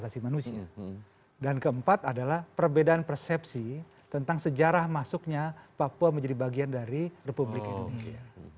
dan yang keempat adalah perbedaan persepsi tentang sejarah masuknya papua menjadi bagian dari republik indonesia